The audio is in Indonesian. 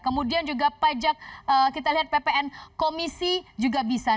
kemudian juga pajak kita lihat ppn komisi juga bisa